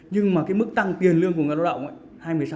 nhưng mà cái mức tăng tiền lương của người lao động